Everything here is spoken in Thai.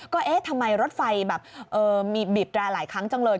ก็เอ๊ะทำไมรถไฟแบบบีบแร่หลายครั้งจังเลย